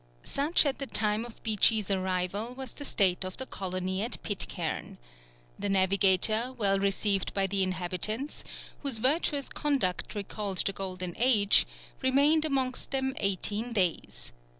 Such at the time of Beechey's arrival was the state of the colony at Pitcairn. The navigator, well received by the inhabitants, whose virtuous conduct recalled the golden age, remained amongst them eighteen days.